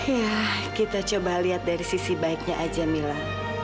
ya kita coba lihat dari sisi baiknya aja mila